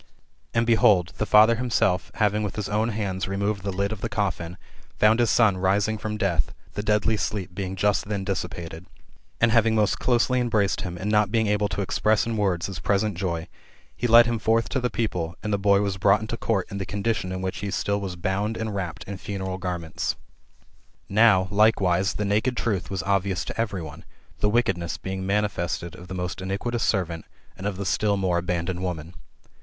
And behold, the father himself, having with his own hands removed the lid of the coffin, found his son rising from death, the deadly sleep being just then dissipated ; and having most closely embraced him, and not being able to express in words his present joy, he led him forth to the people, and the boy was brought into court, in the condition in which he still was bound and wrapt in funeral garments. Now, likewise, the naked truth was obvious to every one, the wickedness being manifested of the most iniquitous servant, and of the still more abandoned woman.